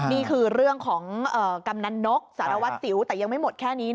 นี่คือเรื่องของกำนันนกสารวัตรสิวแต่ยังไม่หมดแค่นี้